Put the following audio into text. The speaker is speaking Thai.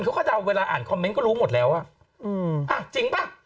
เขาก็เดาเวลาอ่านคอมเมนต์ก็รู้หมดแล้วอ่ะอืมอ่ะจริงป่ะ